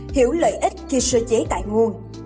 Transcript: hiểu lợi ích khi sơ chế tại nguồn